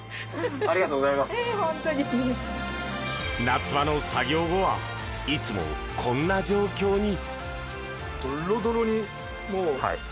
夏場の作業後はいつもこんな状況に。